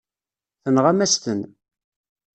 Tenɣam-as-ten.